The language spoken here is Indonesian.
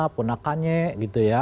ponakannya gitu ya